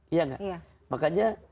iya gak makanya